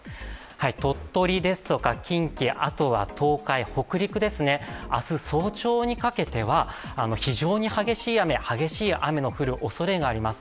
鳥取ですとか近畿、あとは東海、北陸で明日早朝にかけては非常に激しい雨の降るおそれがあります。